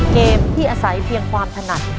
เกมที่อาศัยเพียงความถนัด